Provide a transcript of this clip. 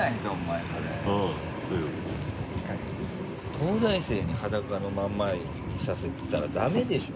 東大生に裸のまんまいさせてたらダメでしょ。